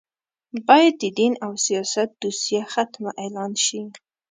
باید دین او سیاست دوسیه ختمه اعلان شي